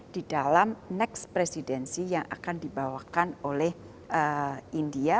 di dalam next presidensi yang akan dibawakan oleh india